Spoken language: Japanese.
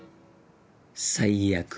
最悪！」。